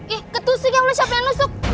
ih ketusik ya udah siapa yang nusuk